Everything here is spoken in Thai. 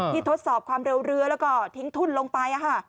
ทดสอบความเร็วเรือแล้วก็ทิ้งทุ่นลงไป